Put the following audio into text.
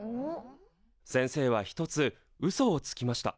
先生は一つうそをつきました。